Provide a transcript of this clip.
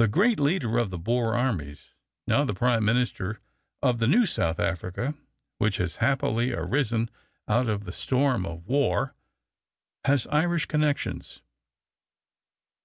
The great leader of the Boer armies, now the Prime Minister of the new South Africa which has happily arisen out of the storm of war, has Irish connections.